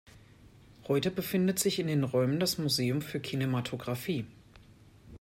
Heute befindet sich in den Räumen das Museum für Kinematographie.